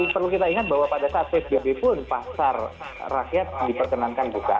perlu kita ingat bahwa pada saat psbb pun pasar rakyat diperkenankan buka